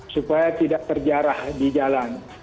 supaya tidak terjarah di jalan